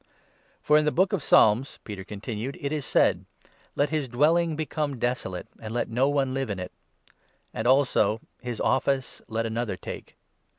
"For in the Book of Psalms," Peter continued, "it is said — 20 ' Let his dwelling become desolate, And let no one live in it '; and also —' His office let another take.'